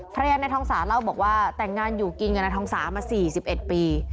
ภรรยานายทองสาเล่าบอกว่าแต่งงานอยู่กินกับนายทองสามา๔๑ปี